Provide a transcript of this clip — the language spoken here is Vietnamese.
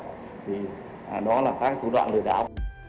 thì đó là các thủ đoạn lừa đảo